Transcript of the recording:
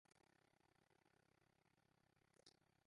Ik haw ûntdutsen dat der ek in oare kant fan de medalje is.